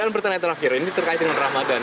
yang pertanyaan terakhir ini terkait dengan ramadhan